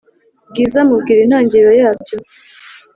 bwiza amubwira intangiro yabyo